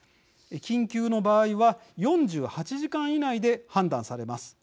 緊急の場合は４８時間以内で判断されます。